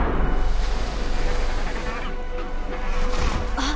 あっ！